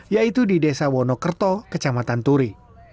yaitu di desa wonokerto kecamatan turi